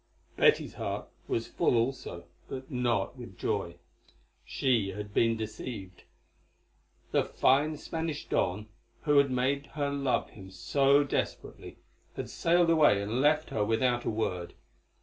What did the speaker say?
Betty's heart was full also, but not with joy. She had been deceived. The fine Spanish Don, who had made her love him so desperately, had sailed away and left her without a word.